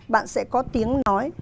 bạn sẽ có tiếng nói